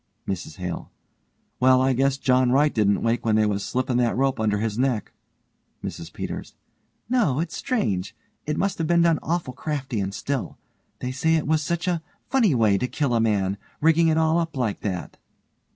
MRS HALE: Well, I guess John Wright didn't wake when they was slipping that rope under his neck. MRS PETERS: No, it's strange. It must have been done awful crafty and still. They say it was such a funny way to kill a man, rigging it all up like that.